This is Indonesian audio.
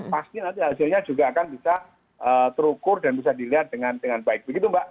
pasti nanti hasilnya juga akan bisa terukur dan bisa dilihat dengan baik begitu mbak